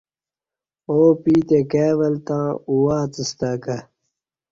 ا و پیتے کائی ول تں اواڅستہ کہ